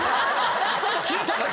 聞いたか？